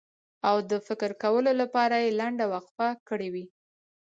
او د فکر کولو لپاره یې لنډه وقفه کړې وي.